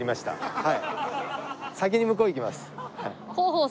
はい。